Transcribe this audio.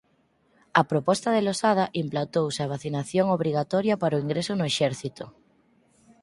A proposta de Losada implantouse a vacinación obrigatoria para o ingreso no exército.